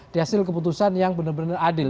di hasil keputusan yang benar benar adil